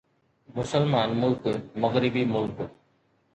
مسلمان ملڪ مغربي ملڪ